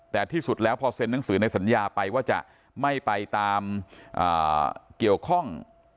แต่ที่สุดแล้วพอเซ็นหนังสือในสัญญาไปว่าจะไม่ไปตามเกี่ยวข้อง